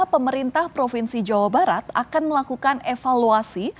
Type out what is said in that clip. pemerintah provinsi jawa barat akan melakukan evaluasi